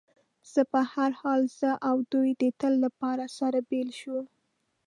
په هر حال، زه او دوی د تل لپاره سره بېل شو.